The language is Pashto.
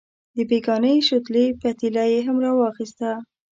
د بېګانۍ شوتلې پتیله یې هم راواخیسته.